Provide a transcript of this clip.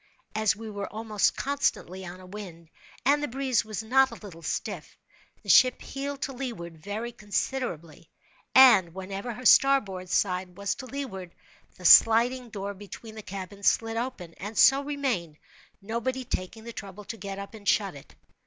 As we were almost constantly on a wind, and the breeze was not a little stiff, the ship heeled to leeward very considerably; and whenever her starboard side was to leeward, the sliding door between the cabins slid open, and so remained, nobody taking the trouble to get up and shut it.